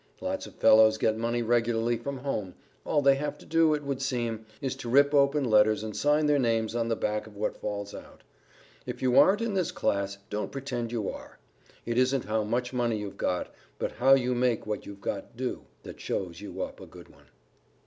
Lots of fellows get money regularly from home. All they have to do, it would seem, is to rip open letters and sign their names on the back of what falls out. If you aren't in this class, don't pretend you are. It isn't how much money you've got, but how you make what you've got do, that shows you up a good one.